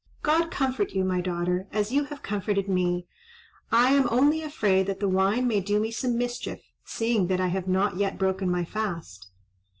God comfort you, my daughter, as you have comforted me; I am only afraid that the wine may do me some mischief, seeing that I have not yet broken my fast."